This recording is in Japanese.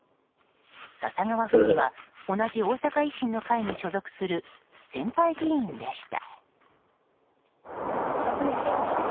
笹川府議は同じ大阪維新の会に所属する先輩議員でした。